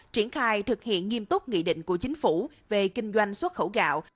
triển khai thực hiện nghiêm túc nghị định của chính phủ về kinh doanh xuất khẩu gạo